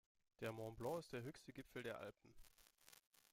Der Mont Blanc ist der höchste Gipfel der Alpen.